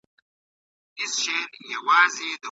تاریخی اسنادو د شواهدو سره ثابته سول، چی «افغان» اصلاً د یوې